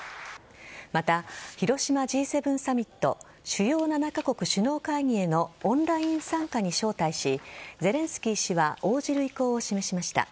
また、広島Ｇ７サミット＝主要７カ国首脳会議へのオンライン参加に招待しゼレンスキー氏は応じる意向を示しました。